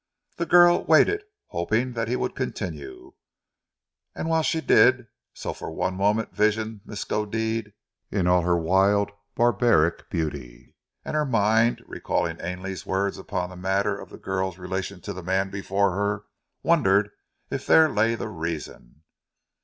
The girl waited, hoping that he would continue, and whilst she did so for one moment visioned Miskodeed in all her wild barbaric beauty and her mind, recalling Ainley's words upon the matter of the girl's relation to the man before her, wondered if there lay the reason.